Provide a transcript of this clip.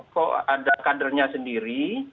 kok ada kadernya sendiri